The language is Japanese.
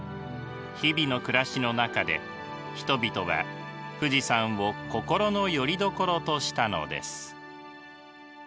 日々の暮らしの中で人々は富士山を心のよりどころとしたのです。